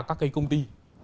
các cái công ty